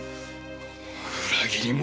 裏切り者